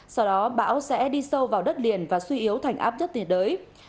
sau đó bão sẽ đi sâu vào đất liền và suy yếu thành áp nhất thế đới